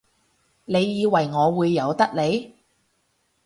你以為我會由得你？